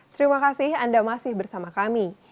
terima kasih anda masih bersama kami